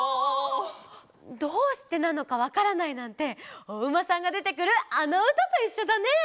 どうしてなのかわからないなんておうまさんがでてくるあのうたといっしょだね！